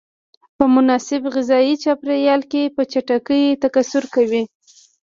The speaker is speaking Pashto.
په مناسب غذایي چاپیریال کې په چټکۍ تکثر کوي.